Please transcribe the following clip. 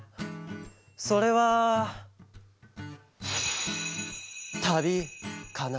それはたびかな？